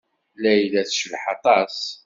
Layla tecbeḥ aṭas.